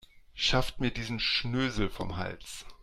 Schafft mir diesen Schnösel vom Hals.